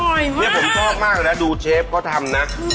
อร่อยมากผมชอบมากเลยนะดูเชฟก็ทำนะ